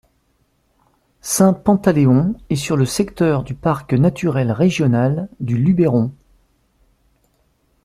Saint Pantaléon est sur le secteur du parc naturel régional du Luberon.